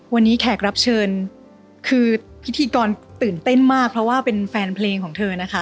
วันนี้แขกรับเชิญคือพิธีกรตื่นเต้นมากเพราะว่าเป็นแฟนเพลงของเธอนะคะ